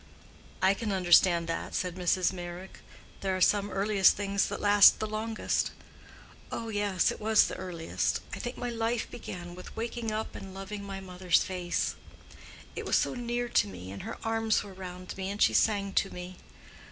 "I can understand that," said Mrs. Meyrick. "There are some earliest things that last the longest." "Oh, yes, it was the earliest. I think my life began with waking up and loving my mother's face: it was so near to me, and her arms were round me, and she sang to me.